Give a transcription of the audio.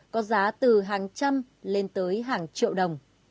có giá từ hàng trăm lên tới hàng triệu đồng